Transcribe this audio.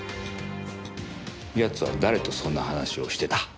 奴は誰とそんな話をしてた？